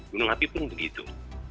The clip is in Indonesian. gunung api pun begitu